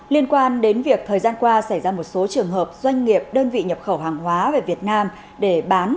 liên quan đến việc thời gian qua xảy ra một số trường hợp doanh nghiệp đơn vị nhập khẩu hàng hóa về việt nam để bán